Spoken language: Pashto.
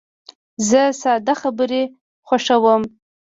زه ساده خبرې خوښوم.